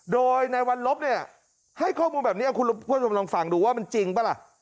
โดยในวันลบเนี่ยให้ข้อมูลแบบนี้คุณผู้ชมลองฟังดูว่ามันจริงป่ะล่ะ